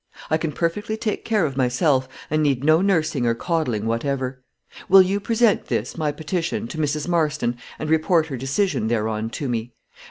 I can perfectly take care of myself, and need no nursing or caudling whatever. Will you present this, my petition, to Mrs. Marston, and report her decision thereon to me.